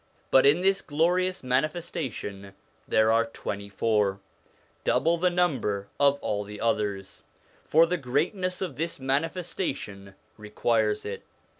But in this glorious manifestation there are twenty four, double the number of all the others, for the greatness of this manifestation requires it.